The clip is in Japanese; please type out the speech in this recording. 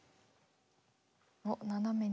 おっ斜めに。